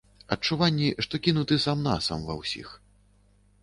Адчуванні, што кінуты сам-насам, ва ўсіх.